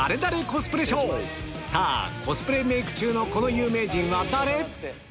コスプレショー」さぁコスプレメイク中のこの有名人は誰？